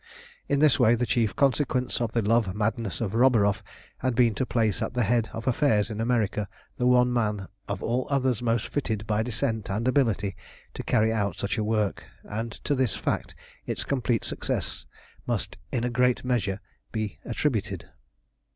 In this way the chief consequence of the love madness of Roburoff had been to place at the head of affairs in America the one man of all others most fitted by descent and ability to carry out such a work, and to this fact its complete success must in a great measure be attributed.